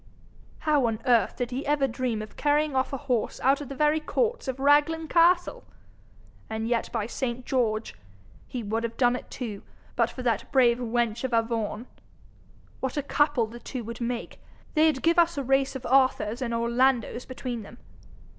How on earth did he ever dream of carrying off a horse out of the very courts of Raglan castle! And yet, by saint George! he would have done it too, but for that brave wench of a Vaughan! What a couple the two would make! They'd give us a race of Arthurs and Orlandos between them.